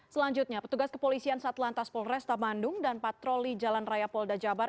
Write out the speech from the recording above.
selanjutnya petugas kepolisian satlantas polresta bandung dan patroli jalan raya polda jabar